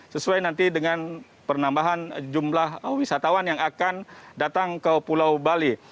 sesuai nanti dengan penambahan jumlah wisatawan yang akan datang ke pulau bali